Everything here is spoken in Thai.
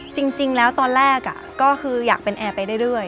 จริงแล้วตอนแรกก็คืออยากเป็นแอร์ไปเรื่อย